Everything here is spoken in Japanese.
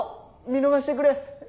見逃してくれ。